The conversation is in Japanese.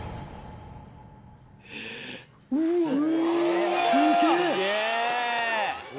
うわっ！